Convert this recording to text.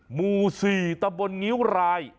หมู่๔ตะบนงิ้วราย